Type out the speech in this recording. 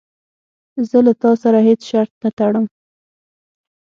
زه له تا سره هیڅ شرط نه ټړم.